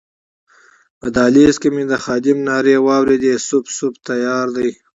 په دهلېز کې مې د خادم نارې واورېدې سوپ، سوپ تیار دی.